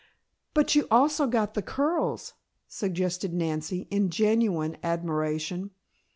"But you also got the curls," suggested Nancy, in genuine admiration.